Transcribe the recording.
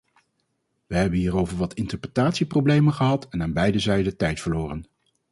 We hebben hierover wat interpretatieproblemen gehad en aan beide zijden tijd verloren.